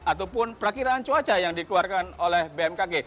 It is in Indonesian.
ataupun perakiraan cuaca yang dikeluarkan oleh bmkg